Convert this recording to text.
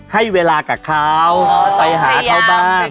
ให้เวลากับเขาไปหาเขาบ้าง